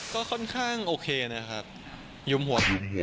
ก็ค่อนข้างโอเคนะครับ